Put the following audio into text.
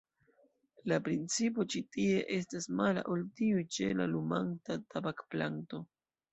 La principo ĉi tie estas mala ol tiu ĉe la lumanta tabakplanto.